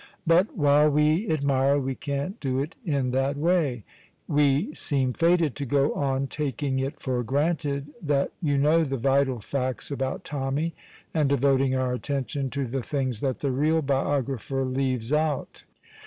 But while we admire, we can't do it in that way. We seem fated to go on taking it for granted that you know the "vital facts" about Tommy, and devoting our attention to the things that the real biographer leaves out.